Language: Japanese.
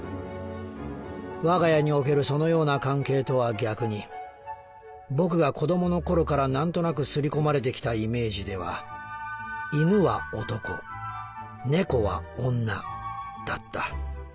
「我が家におけるそのような関係とは逆に僕が子どもの頃からなんとなく刷り込まれてきたイメージでは犬は男猫は女だった。